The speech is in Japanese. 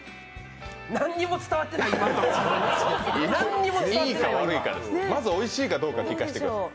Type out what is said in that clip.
何も伝わってない、今んとこまず、おいしいかどうか聞かせてください。